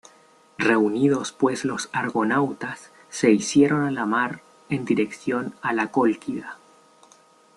Reunidos pues los Argonautas, se hicieron a la mar en dirección a la Cólquida.